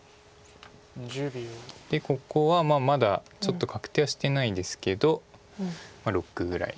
でここはまだちょっと確定はしてないですけど６ぐらい。